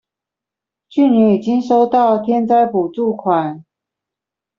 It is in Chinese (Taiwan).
去年已經收到天災補助款